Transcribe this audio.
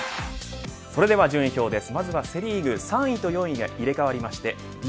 それでは順位表です。